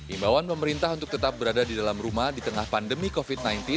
imbauan pemerintah untuk tetap berada di dalam rumah di tengah pandemi covid sembilan belas